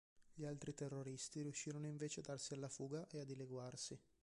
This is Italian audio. Gli altri terroristi riuscirono invece a darsi alla fuga e a dileguarsi.